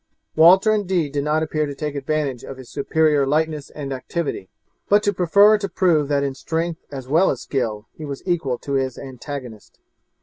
Walter indeed did not appear to take advantage of his superior lightness and activity, but to prefer to prove that in strength as well as skill he was equal to his antagonist.